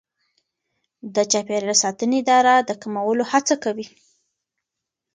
د چاپیریال ساتنې اداره د کمولو هڅه کوي.